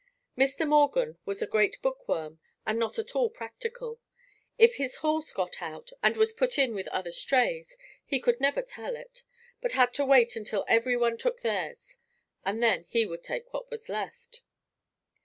Mr. Morgan was a great bookworm and not at all practical. If his horse got out and was put in with other strays, he could never tell it, but had to wait until everyone took theirs and then he would take what was left.